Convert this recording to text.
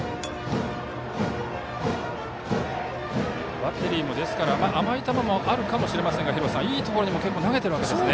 バッテリーも甘い球もあるかもしれませんが廣瀬さん、いいところにも結構投げていますね。